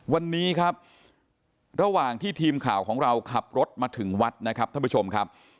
วันนี้ครับระหว่างที่ทีมข่าวของเราขับรถมาถึงวัดนะครับท่านผู้ชมครับ